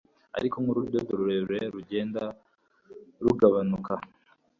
Ariko nkurudodo rurerure rugenda rugabanuka